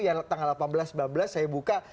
yang tanggal delapan belas sembilan belas saya buka